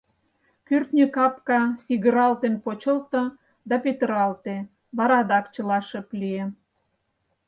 Кӱртньӧ капка сигыралтен почылто да петыралте, вара адак чыла шып лие.